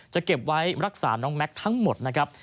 จะเก็บไว้รักษาน้องแม็กซ์ทั้งหมดนะครับ